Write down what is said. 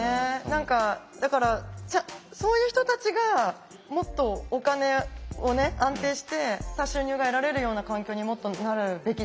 何かだからそういう人たちがもっとお金をね安定した収入が得られるような環境にもっとなるべきだよなって思いますよね。